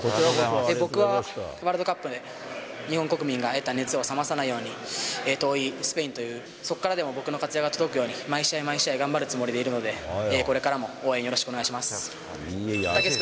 僕はワールドカップで日本国民が得た熱を冷まさないように、遠いスペインという、そこからでも僕の活躍が届くように毎試合毎試合頑張るつもりでいるので、これからも応援よろしくお願いします。